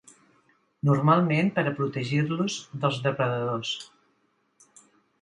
Normalment per a protegir-los dels depredadors.